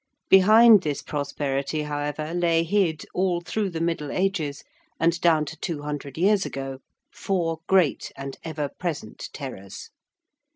Behind this prosperity, however, lay hid all through the middle ages, and down to two hundred years ago, four great and ever present terrors.